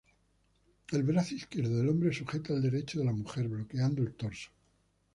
El brazo izquierdo del hombre sujeta el derecho de la mujer bloqueando el torso.